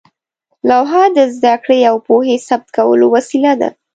لوحه د زده کړې او پوهې ثبت کولو وسیله وه.